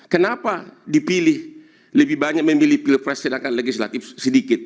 kenapa dipilih lebih banyak memilih pilpres sedangkan legislatif sedikit